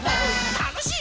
たのしい